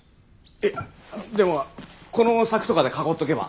えっでもこの柵とかで囲っとけば。